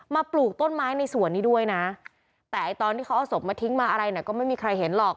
ปลูกต้นไม้ในสวนนี้ด้วยนะแต่ตอนที่เขาเอาศพมาทิ้งมาอะไรเนี่ยก็ไม่มีใครเห็นหรอก